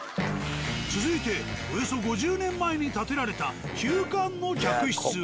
続いておよそ５０年前に建てられた旧館の客室へ。